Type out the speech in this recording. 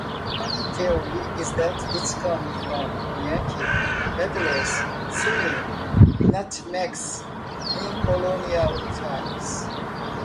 One theory is that it comes from Yankee peddlers selling nutmegs in colonial times.